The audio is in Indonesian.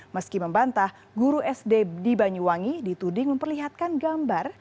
meski membantah guru sd di banyuwangi dituding memperlihatkan gambar